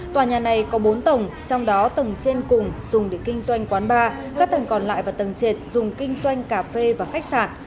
tòa nhà này có bốn tầng trong đó tầng trên cùng dùng để kinh doanh quán bar các tầng còn lại và tầng trệt dùng kinh doanh cà phê và khách sạn